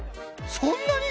そんなに？